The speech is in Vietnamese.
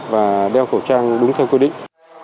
và đeo khẩu trang đúng theo quy định